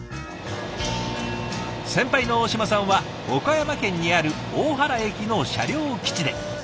先輩の大島さんは岡山県にある大原駅の車両基地で。